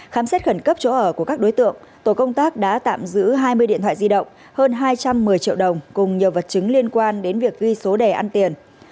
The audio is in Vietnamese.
khám xét khẩn cấp chỗ ở của các đối tượng tổ công tác đã tạm giữ hai mươi điện thoại di động hơn hai trăm một mươi triệu đồng cùng nhiều vật chứng liên quan đến việc ghi số đề ăn tiền